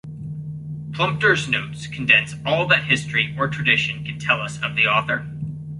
Plumptre's notes condense all that history or tradition can tell us of the author.